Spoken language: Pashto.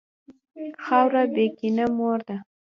خاوره بېکینه مور ده.